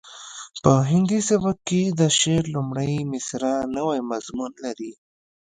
په هندي سبک کې د شعر لومړۍ مسره نوی مضمون لري